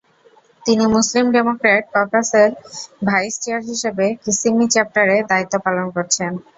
তিনি Muslim Democrat ককাসের vice chair হিসেবে কিসিমি চ্যাপ্টারে দায়িত্ব পালন করছেন।